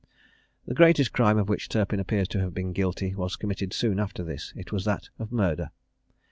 The greatest crime of which Turpin appears to have been guilty was committed soon after this it was that of murder.